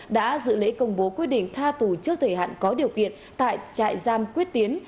đã dự lễ công bố quyết định tha tù trước thời hạn có điều kiện tại trại giam quyết tiến